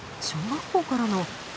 小学校からの。